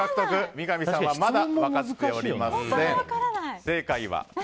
三上さんはまだ分かっておりません。